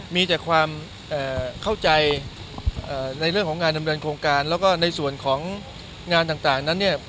มีแต่ความเข้าใจในเรื่องของงานดำเนินโครงการแล้วก็ในส่วนของงานต่างนั้นเนี่ย